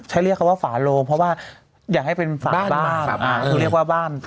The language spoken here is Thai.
ใช้เลขเขาว่าฝาโรงเพราะว่าอยากให้เป็นฝาบ้าน